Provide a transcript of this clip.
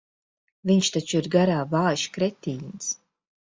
Viņš taču ir garā vājš kretīns.